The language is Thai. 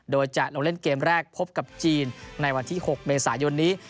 โดยจะลงเล่นเกมแรกพบกับจีนในวันที่๖เมษายนนี้